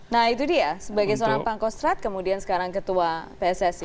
nah itu dia sebagai seorang pangkostrat kemudian sekarang ketua pssi